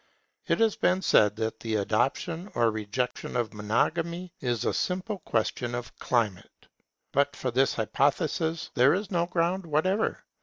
It has been said that the adoption or rejection of monogamy is a simple question of climate. But for this hypothesis there is no ground whatever.